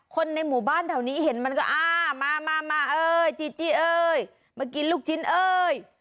คนในหมู่บ้านแถวนี้เห็นมันก็อ่ามามาเอ้ยจีจี้เอ้ยมากินลูกชิ้นเอ้ย